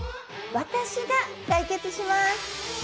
私が解決します